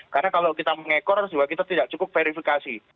karena kalau kita mengikor kita juga tidak cukup verifikasi